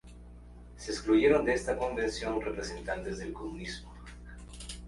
Se excluyeron de esta convención representantes del comunismo.